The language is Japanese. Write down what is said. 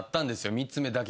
３つ目だけ。